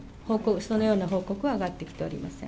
そのような報告は上がってきておりません。